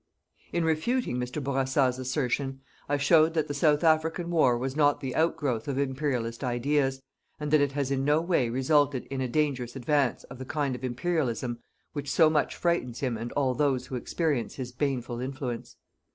In refuting Mr. Bourassa's assertion, I showed that the South African war was not the outgrowth of Imperialist ideas, and that it has in no way resulted in a dangerous advance of the kind of Imperialism which so much frightens him and all those who experience his baneful influence.